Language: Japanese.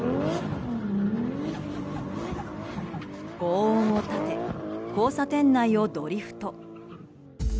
轟音を立て交差点内をドリフト。